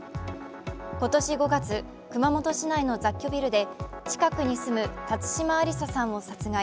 今年５月、熊本市内の雑居ビルで近くに住む辰島ありささんを殺害。